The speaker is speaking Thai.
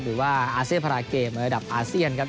หรือว่าอาเซียนพาราเกมในระดับอาเซียนครับ